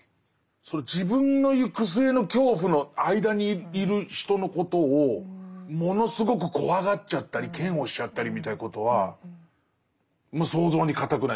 自分の行く末の恐怖の間にいる人のことをものすごく怖がっちゃったり嫌悪しちゃったりみたいなことは想像に難くない。